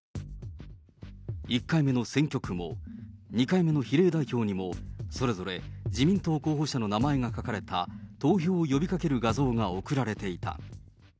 １回目の選挙区も、２回目の比例代表にも、それぞれ自民党候補者の名前が書かれた投票を呼びかける画像が送られていた。